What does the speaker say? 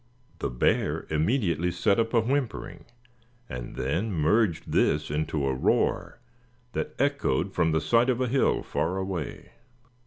The bear immediately set up a whimpering, and then merged this into a roar that echoed from the side of the hill far away.